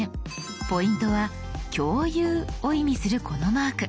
ポイントは「共有」を意味するこのマーク。